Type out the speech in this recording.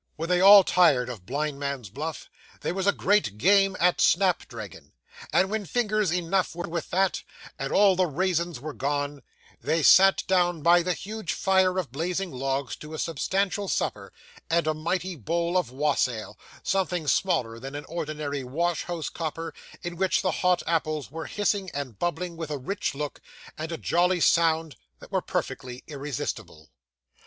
When they all tired of blind man's buff, there was a great game at snap dragon, and when fingers enough were burned with that, and all the raisins were gone, they sat down by the huge fire of blazing logs to a substantial supper, and a mighty bowl of wassail, something smaller than an ordinary wash house copper, in which the hot apples were hissing and bubbling with a rich look, and a jolly sound, that were perfectly irresistible.